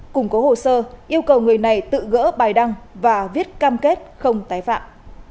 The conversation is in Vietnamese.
cùng có hồ sơ yêu cầu người này tự gỡ bài đăng và viết cam kết không tái phạm